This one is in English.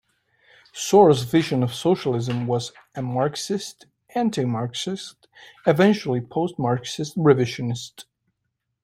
Sorel's vision of socialism was "a-Marxist, anti-Marxist, eventually post-Marxist revisionist".